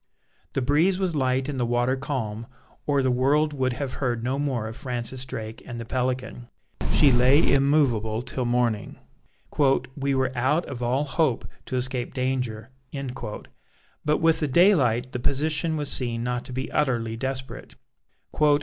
The breeze was light and the water calm, or the world would have heard no more of Francis Drake and the Pelican. She lay immovable till morning; "we were out of all hope to escape danger," but with the daylight the position was seen not to be utterly desperate.